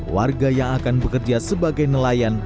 warga yang akan bekerja sebagai nelayan